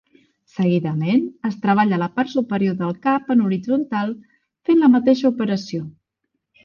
Seguidament, es treballa la part superior del cap en horitzontal fent la mateixa operació.